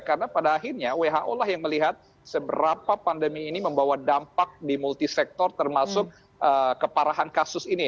karena pada akhirnya who lah yang melihat seberapa pandemi ini membawa dampak di multisektor termasuk keparahan kasus ini